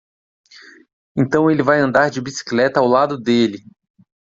Então ele vai andar de bicicleta ao lado dele!